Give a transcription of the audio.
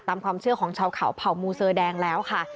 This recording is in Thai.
ตามความเชื่อของชาวเขาเผ่ามูเซอร์แดงแล้วค่ะ